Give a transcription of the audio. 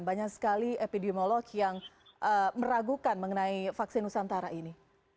banyak sekali epidemiolog yang meragukan mengenai vaksin nusantara ini